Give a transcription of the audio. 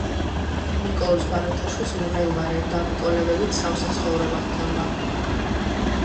ნიკოლოზ ბარათაშვილს მღელვარე, დაბრკოლებებით სავსე ცხოვრება ჰქონდა